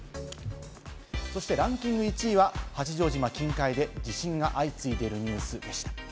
ランキング１位は八丈島近海で地震が相次いでいるニュースでした。